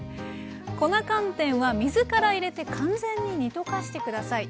粉寒天は水から入れて完全に煮溶かして下さい。